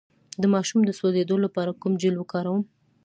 د ماشوم د سوځیدو لپاره کوم جیل وکاروم؟